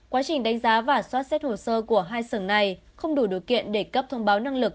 quá trình đánh giá và soát xét hồ sơ của hai sở này không đủ đối kiện để cấp thông báo năng lực